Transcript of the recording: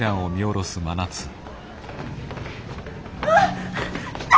あっ！来た！